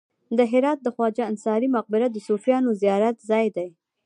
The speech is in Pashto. د هرات د خواجه انصاري مقبره د صوفیانو زیارت ځای دی